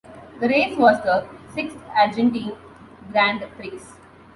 The race was the sixth Argentine Grand Prix.